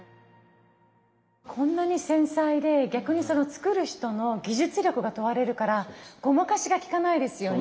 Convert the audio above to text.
こんなに繊細で逆にその作る人の技術力が問われるからごまかしがきかないですよね。